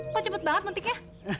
kok cepet banget mentiknya